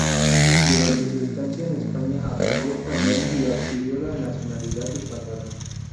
Durante su estancia en España aprendió español y adquirió la nacionalidad española.